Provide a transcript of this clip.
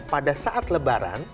pada saat lebaran